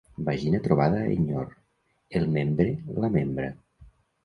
Vagina trobada a enyor: el membre la membra.